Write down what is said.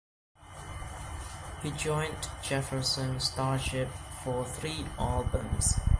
He joined Jefferson Starship for three albums.